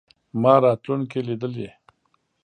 ما راتلونکې لیدلې.